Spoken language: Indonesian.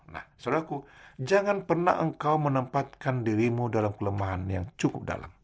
nah saudaraku jangan pernah engkau menempatkan dirimu dalam kelemahan yang cukup dalam